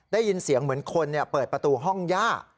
ได้ยินเสียงเหมือนคนเปิดประตูห้องย่า